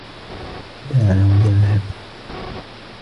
دَعَهُ يذهب.